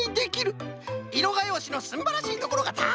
いろがようしのすんばらしいところがたくさんでましたぞい。